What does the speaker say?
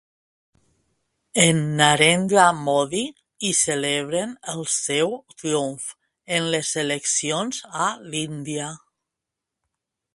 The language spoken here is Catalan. En Narendra Modi i celebren el seu triomf en les eleccions a l'Índia.